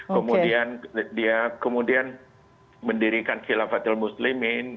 kemudian dia kemudian mendirikan khilafatul muslimin